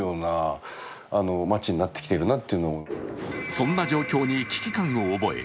そんな状況に危機感を覚え